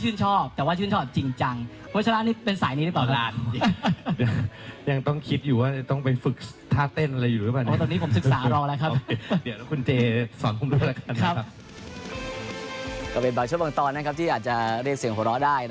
ก็เป็นแบบช่วงบางตอนที่อาจจะเรียกเสียงโหละได้